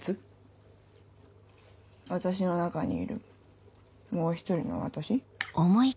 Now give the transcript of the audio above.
私の中にいるもう１人の私。